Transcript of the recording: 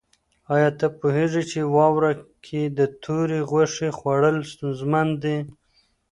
آیا ته پوهېږې چې په واوره کې د تورې غوښې خوړل ستونزمن دي؟